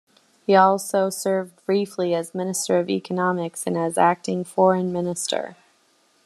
He had also served briefly as Minister of Economics and as acting Foreign Minister.